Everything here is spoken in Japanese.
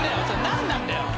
何なんだよ！